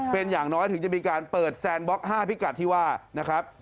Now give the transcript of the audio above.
เป็นอย่างน้อยถึงจะมีการเปิดแซนบล็อก๕พิกัดที่ว่านะครับ